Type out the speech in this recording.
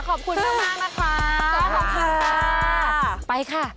ขอบคุณมากนะคะขอบคุณค่ะฮะ